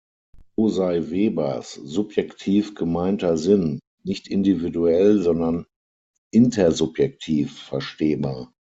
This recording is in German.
So sei Webers „subjektiv gemeinter Sinn“ nicht individuell, sondern intersubjektiv verstehbar.